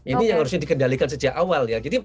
ini yang harusnya dikendalikan sejak awal ya